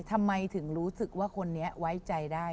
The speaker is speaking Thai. ทำไมถึงรู้สึกว่าคนนี้ไว้ใจได้